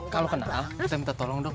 kalau kenal kita minta tolong dong